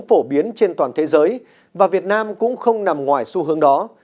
phổ biến trên toàn thế giới và việt nam cũng không nằm ngoài xu hướng đó